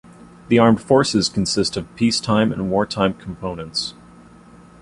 The Armed Forces consist of peacetime and wartime components.